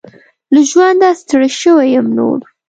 له ژونده ستړي شوي يم نور .